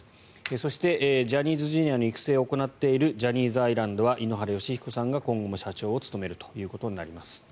そして、ジャニーズＪｒ．の育成を行っているジャニーズアイランドは井ノ原快彦さんが今後も社長を務めることになります。